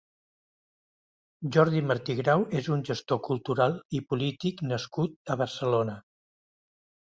Jordi Martí Grau és un gestor cultural i polític nascut a Barcelona.